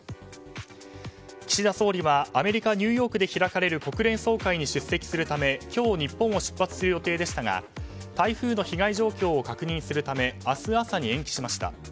岸田総理はアメリカ・ニューヨークで開かれる国連総会に出席するため、今日日本を出発する予定でしたが台風の被害状況を確認するため明日朝に延期しました。